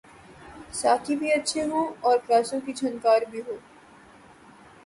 ساقی بھی اچھے ہوں اور گلاسوں کی جھنکار بھی ہو۔